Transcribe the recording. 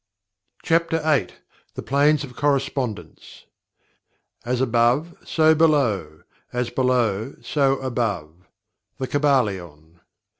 CHAPTER VIII PLANES OF CORRESPONDENCE "As above, so below; as below, so above." The Kybalion.